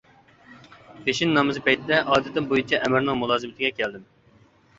پېشىن نامىزى پەيتىدە ئادىتىم بويىچە ئەمىرنىڭ مۇلازىمىتىگە كەلدىم.